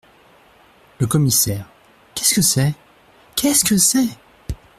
Le Commissaire Qu’est-ce que c’est ?… qu’est-ce que c’est ?…